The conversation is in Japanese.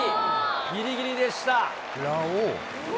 ぎりぎりでした。